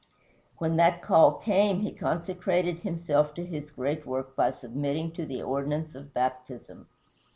When that call came he consecrated himself to his great work by submitting to the ordinance of baptism.